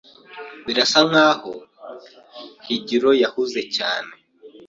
Birasa nkaho Higiro yahuze cyane.